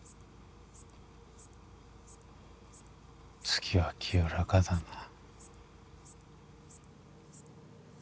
月は清らかだな。